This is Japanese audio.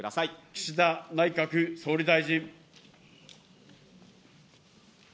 岸田内閣総理大臣。